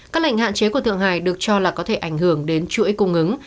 các lệnh hạn chế của thượng hải được cho là có thể ảnh hưởng đến chuỗi cung ứng